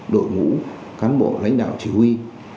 đội ngũ cán bộ lãnh đạo chỉ huy